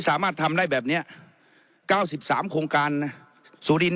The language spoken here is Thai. สามารถทำได้แบบเนี้ยเก้าสิบสามโครงการน่ะสุริน์